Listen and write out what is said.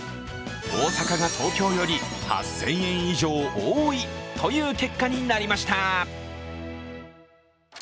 大阪が東京より８０００円以上多いという結果になりました。